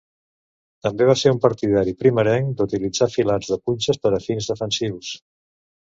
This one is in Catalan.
També va ser un partidari primerenc d'utilitzar filats de punxes per a fins defensius.